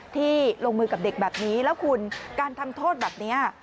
ที่ลงมือกับเด็กแบบนี้แล้วคุณการทำโทษแบบนี้